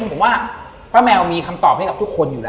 ผมว่าป้าแมวมีคำตอบให้กับทุกคนอยู่แล้ว